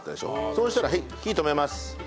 そうしたら火止めます。